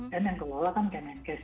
dan yang keelola kan kemenkes